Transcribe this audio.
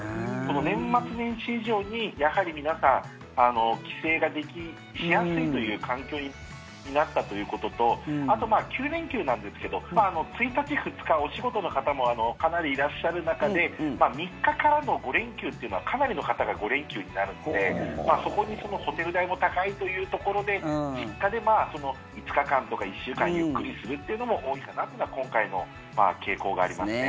年末年始以上に、やはり皆さん帰省がしやすいという環境になったということとあと９連休なんですけど１日、２日お仕事の方もかなりいらっしゃる中で３日からの５連休というのはかなりの方が５連休になるのでそこにホテル代も高いというところで実家で５日間とか１週間ゆっくりするっていうのも多いかなっていうのは今回の傾向がありますね。